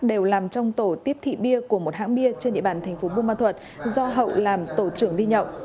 đều làm trong tổ tiếp thị bia của một hãng bia trên địa bàn thành phố buôn ma thuật do hậu làm tổ trưởng đi nhậu